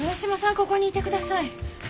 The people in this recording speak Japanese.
ここにいてください。